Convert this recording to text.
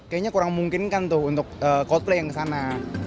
kayaknya kurang mungkin kan tuh untuk coldplay yang ke sana